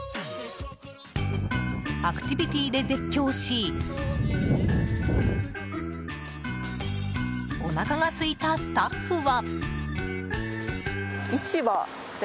アクティビティーで絶叫しおなかがすいたスタッフは。